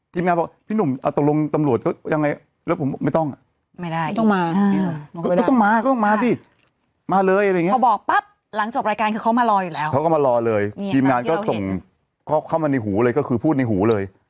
ก็ต้นมาดีมาเลยอะไรเงี้ย